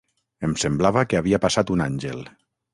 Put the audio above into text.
Em semblava que havia passat un àngel.